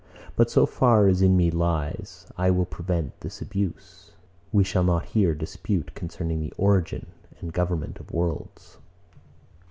But so far as in me lies, I will prevent this abuse. We shall not here dispute concerning the origin and government of worlds.